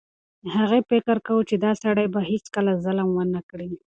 هغې فکر کاوه چې دا سړی به هیڅکله ظلم ونه کړي.